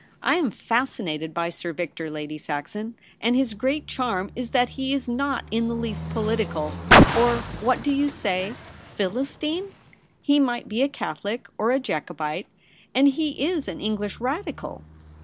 I am fascinated by Sir Victor, Lady Saxon, and his greatest charm is that he is not in the least political — or — what do you say ?— Philistine. He mio^ht be a Catholic, or a Jacobite. And he is an English Radical